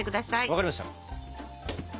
分かりました。